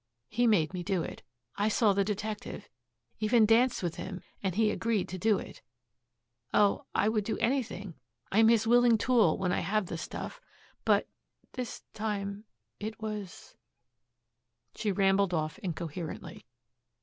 He made me do it. I saw the detective, even danced with him and he agreed to do it. Oh, I would do anything I am his willing tool when I have the stuff. But this time it was " She rambled off incoherently.